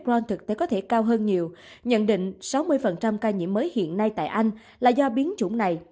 ron thực tế có thể cao hơn nhiều nhận định sáu mươi ca nhiễm mới hiện nay tại anh là do biến chủng này